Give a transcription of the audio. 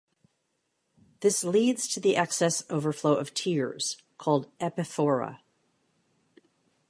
This leads to the excess overflow of tears called "epiphora".